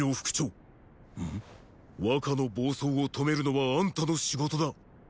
ん⁉若の暴走を止めるのはあんたの仕事だ。